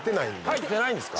入ってないんですか。